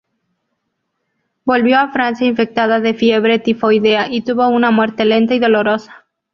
Volvió a Francia infectada de fiebre tifoidea y tuvo una muerte lenta y dolorosa.